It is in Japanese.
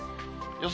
予想